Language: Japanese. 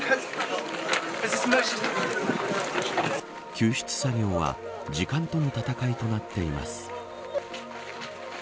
救出作業は時間との戦いとなっています。